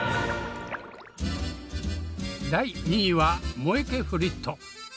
第２位はモエケフリット。